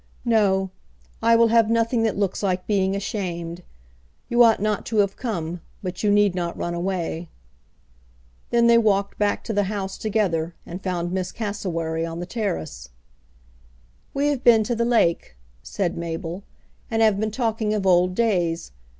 "No; I will have nothing that looks like being ashamed. You ought not to have come, but you need not run away." Then they walked back to the house together and found Miss Cassewary on the terrace. "We have been to the lake," said Mabel, "and have been talking of old days.